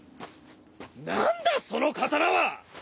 何だその刀は！